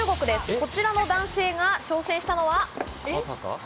こちらの男性が挑戦したのは。